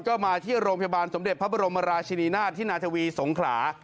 ก็มาที่โรงพยาบาลสมเด็จพระบรมราชินีนาฏที่นาทวีสงขลา